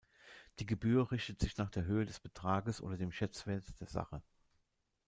Die Gebühr richtet sich nach der Höhe des Betrages oder dem Schätzwert der Sache.